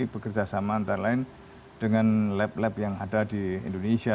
bekerja sama antara lain dengan lab lab yang ada di indonesia